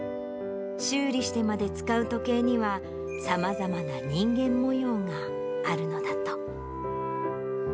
修理してまで使う時計には、さまざまな人間もようがあるのだと。